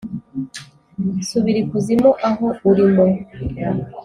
subira ikuzimu aho urimo.